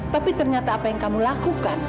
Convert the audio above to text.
tapi ternyata apa yang kamu lakukan